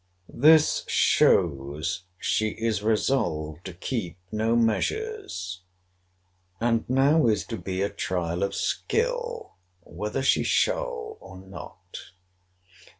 This shows she is resolved to keep no measures. And now is to be a trial of skill, whether she shall or not.